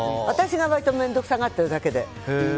私が割と面倒くさがってるだけで。